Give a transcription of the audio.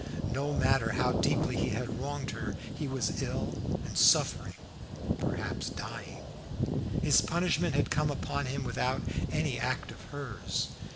No matter how deeply he had wronged her, he was ill and suffering perhaps dying. His punishment had come upon him without any act of hers.